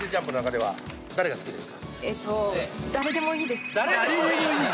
「誰でもいい」！